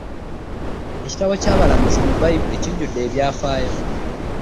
Ekitabo ky'abalamuzi mu Baibuli kijuddemu ebyafaayo .